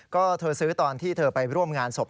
ก็เธอซื้อตอนที่เธอไปร่วมงานศพ